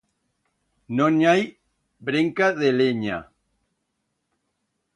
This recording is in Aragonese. No n'i hai brenca de lenya.